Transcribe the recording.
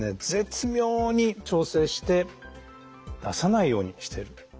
絶妙に調整して出さないようにしてる。